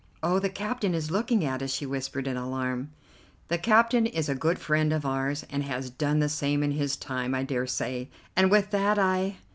"Oh, the captain is looking at us," she whispered in alarm. "The captain is a good friend of ours, and has done the same in his time, I dare say," and with that I